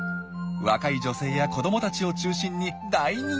若い女性や子どもたちを中心に大人気なんです！